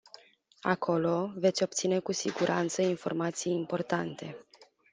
Acolo, veți obține cu siguranță informații importante.